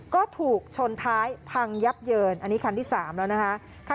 ก็ถูกชนท้ายพังยับเยินอันนี้คันที่๓แล้วนะคะ